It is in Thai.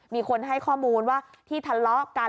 มีคนให้ข้อมูลว่าที่ทะเลาะกัน